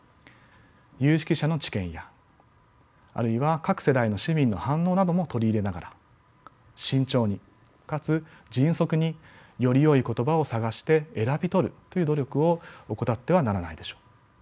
有識者の知見やあるいは各世代の市民の反応なども取り入れながら慎重にかつ迅速によりよい言葉を探して選び取るという努力を怠ってはならないでしょう。